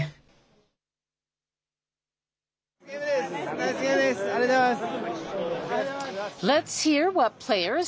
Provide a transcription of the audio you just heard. ナイスゲームです、ありがとうございます。